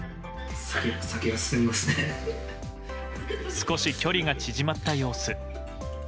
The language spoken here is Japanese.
少し距離が縮まった様子。